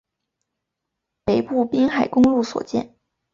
北部滨海公路所见